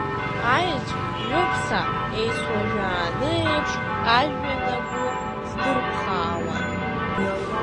Аеҵә ҩыԥса есуажәааны еиԥш ажәҩан агәы ҵдырԥхаауан.